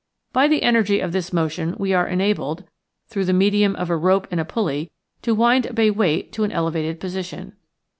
By the energy of this motion we are enabled, through the medium of a rope and a pulley, to wind up a weight to an elevated position.